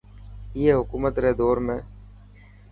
اي حڪومت ري دور ۾.